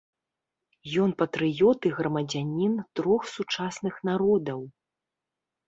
Ён патрыёт і грамадзянін трох сучасных народаў.